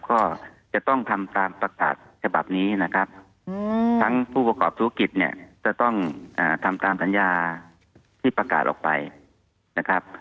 ก็จะต้องทำตามประกาศฉบับนี้นะครับทั้งผู้ประกอบธุรกิจเนี่ยจะต้องทำตามสัญญาที่ประกาศออกไปนะครับ